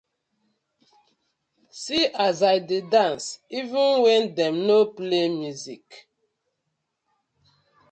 See as I dey dance even wen dem no play music.